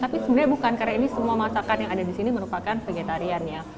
tapi sebenarnya bukan karena ini semua masakan yang ada di sini merupakan vegetariannya